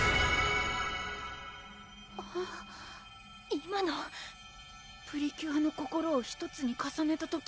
今の「プリキュアの心を１つに重ねた時」